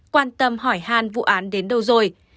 quan tâm hỏi hàn vụ án đến đâu rồi